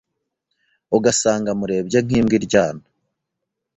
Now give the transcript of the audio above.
ugasanga amurebye nkibwa iryana